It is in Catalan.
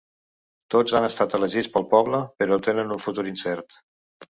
Tots han estat elegits pel poble, però tenen un futur incert.